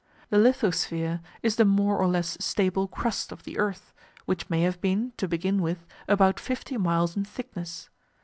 The lithosphere is the more or less stable crust of the earth, which may have been, to begin with, about fifty miles in thickness.